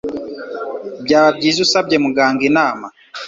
Byaba byiza usabye muganga inama.